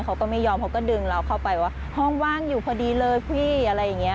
เขาก็ไม่ยอมเขาก็ดึงเราเข้าไปว่าห้องว่างอยู่พอดีเลยพี่อะไรอย่างนี้